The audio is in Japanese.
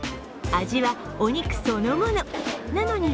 味はお肉そのもの。